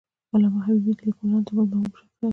علامه حبیبي د لیکوالانو ترمنځ محبوب شخصیت و.